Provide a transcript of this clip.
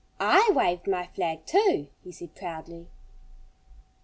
"I waved my flag too," he said proudly.